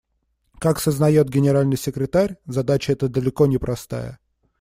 Как сознает Генеральный секретарь, задача эта далеко не простая.